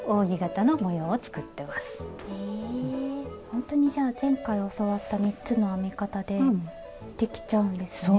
ほんとにじゃあ前回教わった３つの編み方でできちゃうんですね。